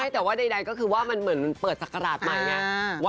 แต่ว่าใดก็คือว่าเปิดสักการาศใหม่